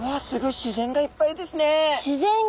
自然がいっぱいですね。